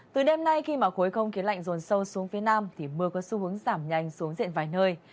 từ đêm nay khi mà khối không khí lạnh rồn sâu xuống phía nam thì mưa có xu hướng giảm nhanh xuống diện vài nơi